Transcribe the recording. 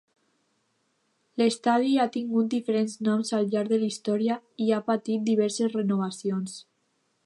L'estadi ha tingut diferents noms al llarg de la història i ha patit diverses renovacions.